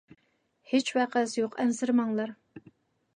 ھېچ ۋەقەسى يوق، ئەنسىرىمەڭلار!